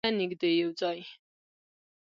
تر خپرېدو پورې یوډین ته نږدې یو ځای.